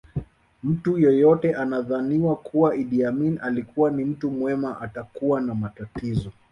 Mtu yeyote anayedhania kuwa Idi Amin alikuwa ni mtu mwema atakuwa na matatizo